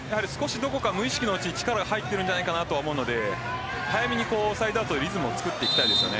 無意識のうちに力が入っているのではないかと思うので早めにサイドアウトでリズムを作っていきたいです。